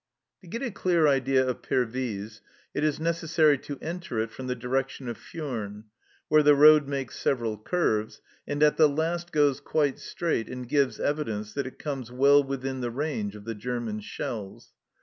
To get a clear idea of Pervyse, it is necessary to enter it from the direction of Furnes, where the road makes several curves, and at the last goes quite straight and gives evidence that it comes well within the range of the German shells.